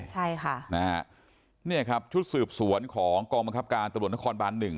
ใช่ค่ะนะฮะเนี่ยครับชุดสืบสวนของกองบังคับการตำรวจนครบานหนึ่ง